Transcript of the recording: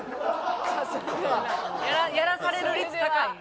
やらされる率高いね。